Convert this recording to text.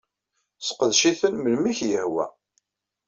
Sseqdec-iten melmi k-yehwa.